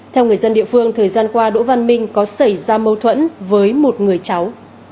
theo người dân địa phương thời gian qua đỗ văn minh có xảy ra mâu thuẫn với một người cháu